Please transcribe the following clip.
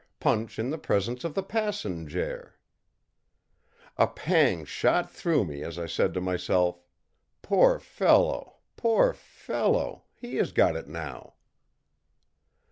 Punch in the presence of the passenjare!î A pang shot through me as I said to myself, ìPoor fellow, poor fellow! he has got it, now.